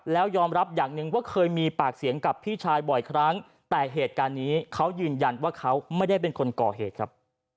แล้วยอมรับอย่างหนึ่งว่าเคยมีปากเสียงกับพี่ชายบ่อยครั้งแต่เหตุการณ์นี้เขายืนยันว่าเขาไม่ได้เป็นคนก่อเหตุครับ